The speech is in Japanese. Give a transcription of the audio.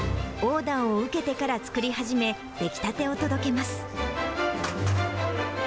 オーダーを受けてから作り始め、出来たてを届けます。